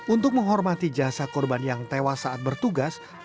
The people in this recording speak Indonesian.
untuk menghormati jasad korban yang tewas saat bertugas